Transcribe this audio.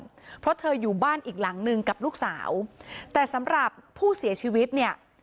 เพราะเธออยู่บ้านอีกหลังนึงกับลูกสาวแต่สำหรับผู้เสียชีวิตเนี่ย